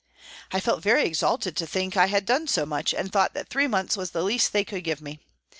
I felt very exalted to think I had done so much, and thought that three months was the least they could give me.